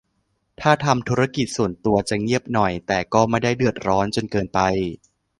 ถ้าทำธุรกิจส่วนตัวจะเงียบหน่อย แต่ก็ไม่ได้เดือดร้อนจนเกินไป